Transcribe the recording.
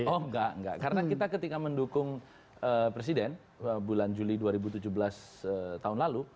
oh enggak enggak karena kita ketika mendukung presiden bulan juli dua ribu tujuh belas tahun lalu